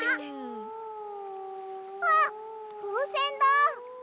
あっふうせんだ！